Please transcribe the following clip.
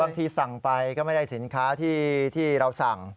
บางทีสั่งไปก็ไม่ได้สินค้าที่เราสั่ง